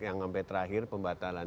dan yang sampai terakhir pembatalan